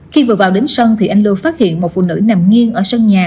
khi vừa vào đến sân thì anh lưu phát hiện một phụ nữ nằm nghiêng ở sân nhà